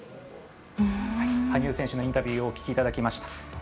羽生選手のインタビューをお聞きいただきました。